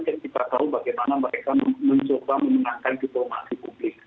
kita tahu bagaimana mereka mencoba memenangkan diplomasi publik